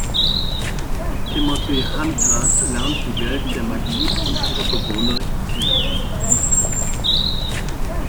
Timothy Hunter lernt die Welt der Magie und ihre Bewohner kennen.